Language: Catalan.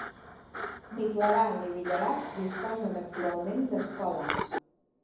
Ni Clarà ni Villerac disposen actualment d'escola.